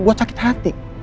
buat sakit hati